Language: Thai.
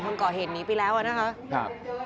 คนก่อเหตุหนีไปแล้วอะนะคะ